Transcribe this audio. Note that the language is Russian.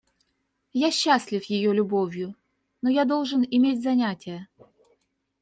Я счастлив ее любовью, но я должен иметь занятия.